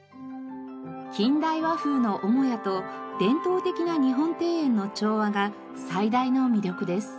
近代和風の母屋と伝統的な日本庭園の調和が最大の魅力です。